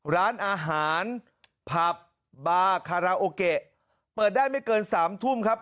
ร้านอาหารผับบาคาราโอเกะเปิดได้ไม่เกิน๓ทุ่มครับ